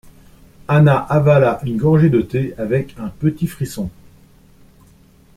Anna avala une gorgée de thé avec un petit frisson.